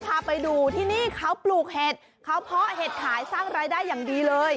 พาไปดูที่นี่เขาปลูกเห็ดเขาเพาะเห็ดขายสร้างรายได้อย่างดีเลย